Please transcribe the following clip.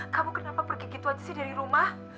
kamu kenapa pergi gitu aja sih dari rumah